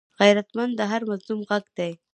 غیرتمند د هر مظلوم غږ دی